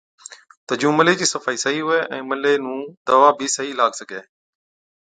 تہ جُون ملي چِي صفائِي صحِيح هُوَي ائُون ملي نُون دَوا بِي صحِيح لاگ سِگھَي۔